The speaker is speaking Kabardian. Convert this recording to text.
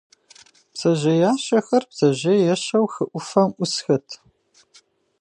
Бдзэжьеящэхэр бдзэжьей ещэу хы Ӏуфэм Ӏусхэт.